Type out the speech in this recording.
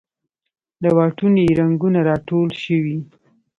له واټونو یې رنګونه راټول شوې